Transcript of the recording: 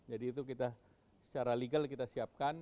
jadi itu kita secara legal kita siapkan